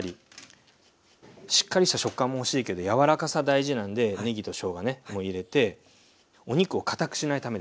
しっかりした食感も欲しいけど柔らかさ大事なんでねぎとしょうがね入れてお肉を堅くしないためです。